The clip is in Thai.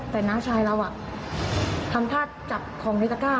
แต่น้าชายเราทำท่าจับของในตะก้า